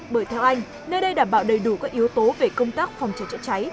bởi theo anh nơi đây đảm bảo đầy đủ các yếu tố về công tác phòng cháy chữa cháy